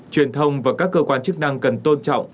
truyền thông và các cơ quan chức năng cần tôn trọng